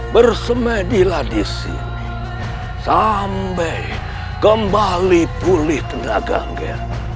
bersemedi lah disini sampai kembali pulih tenaga